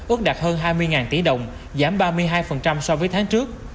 ước đạt hơn hai mươi tỷ đồng giảm ba mươi hai so với tháng trước